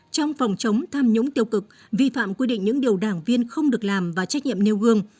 trong phòng chống tham nhũng tiêu cực vi phạm quy định những điều đảng viên không được làm và trách nhiệm nêu gương